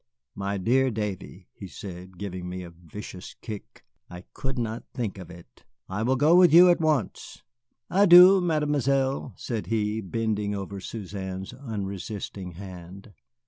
"My dear Davy," he said, giving me a vicious kick, "I could not think of it. I will go with you at once. Adieu, Mademoiselle," said he, bending over Suzanne's unresisting hand.